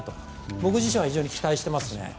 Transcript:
僕自身は非常に期待しています。